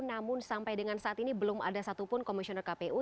namun sampai dengan saat ini belum ada satupun komisioner kpu